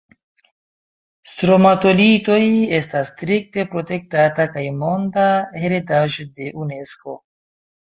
Stromatolitoj estas strikte protektataj kaj Monda heredaĵo de Unesko.